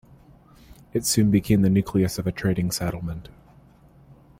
It soon became the nucleus of a trading settlement.